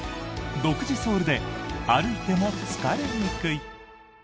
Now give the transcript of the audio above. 独自ソールで歩いても疲れにくい。